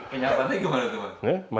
kenapa nih gimana temen